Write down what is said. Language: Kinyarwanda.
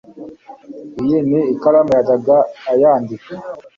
iyi ni ikaramu yajyaga ayandika